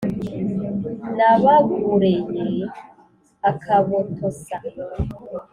n'abagureye akabotosa